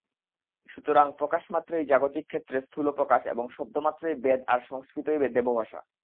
সুতরাং প্রকাশমাত্রেই জাগতিক ক্ষেত্রে স্থূল প্রকাশ এবং শব্দমাত্রেই বেদ, আর সংস্কৃতই দেবভাষা।